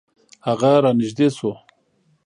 هغه را نژدې شو .